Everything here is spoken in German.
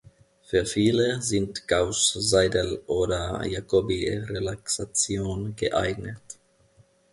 Für viele sind Gauß-Seidel- oder Jacobi-Relaxation geeignet.